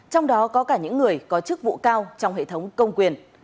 trong đó có cả những người có chức vụ cao trong hệ thống công quyền